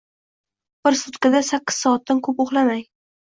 Bir sutkada sakkiz soatdan ko‘p uxlamang.